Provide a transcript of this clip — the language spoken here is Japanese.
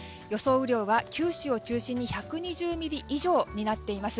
雨量は九州を中心に１２０ミリ以上になっています。